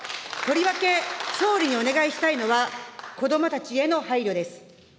とりわけ、総理にお願いしたいのは、子どもたちへの配慮です。